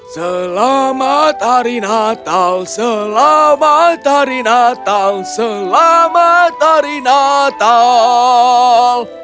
selamat hari natal selamat hari natal selamat hari natal